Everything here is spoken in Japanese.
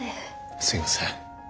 すいません。